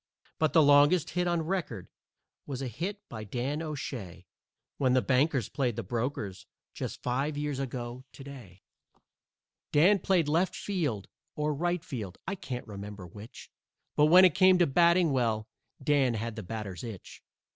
But the longest hit on record was a hit by Dan O'Shay When the Bankers played the Brokers just five years ago to day. Dan played left field or right field, I can't remember which, But when it came to batting well, Dan had the batter's itch.